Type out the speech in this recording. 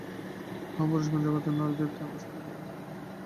মহাপুরুষগণ জগতের নরনারীকে তাঁহাদের সন্তান-স্বরূপ দেখিতেন।